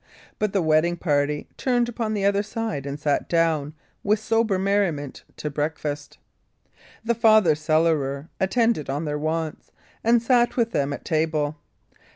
But the wedding party turned upon the other side, and sat down, with sober merriment, to breakfast. The father cellarer attended on their wants, and sat with them at table.